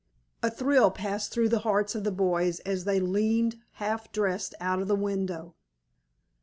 A thrill passed through the hearts of the boys as they leaned half dressed out of the window.